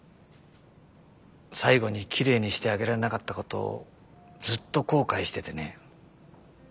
最後にきれいにしてあげられなかったことをずっと後悔しててね。